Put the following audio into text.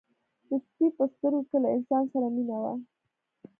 د سپي په سترګو کې له انسان سره مینه وه.